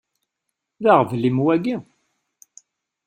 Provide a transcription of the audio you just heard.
D aɣbel-im wagi?